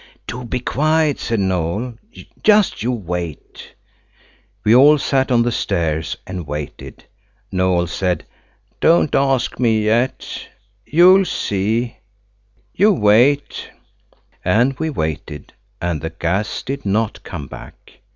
"Do be quiet!" said Noël. "Just you wait." We all sat on the stairs and waited. Noël said– "Don't ask me yet–you'll see–you wait." And we waited, and the gas did not come back.